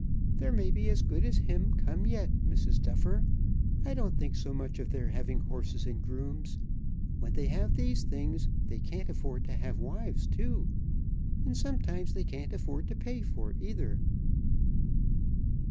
"There may be as good as him come yet, Mrs. Duffer. I don't think so much of their having horses and grooms. When they have these things they can't afford to have wives too, and sometimes they can't afford to pay for either."